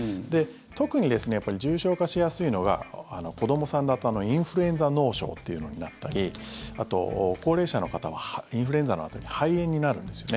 特に重症化しやすいのが子どもさんだとインフルエンザ脳症っていうのになったりあと、高齢者の方はインフルエンザのあとに肺炎になるんですよね。